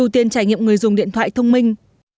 ưu tiên trải nghiệm người dùng điện thoại thông minh